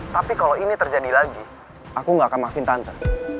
tapi kalau ini terjadi lagi aku gak akan makin tante